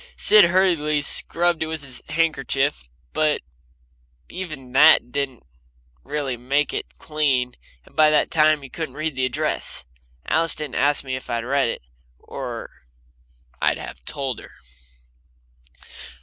Sid hurriedly scrubbed it with his handkerchief, but even that didn't really make it clean, and by that time you couldn't read the address. Alice didn't ask me if I'd read it, or I'd have told her.